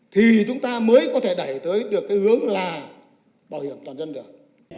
thì chúng ta mới có thể đẩy tới được cái hướng là bảo hiểm toàn dân được